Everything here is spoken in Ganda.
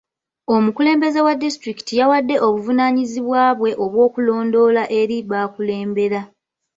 Omukulembeze wa disitulikiti yawadde obuvunaanyizibwa bwe obw'okulondoola eri b'akulembera.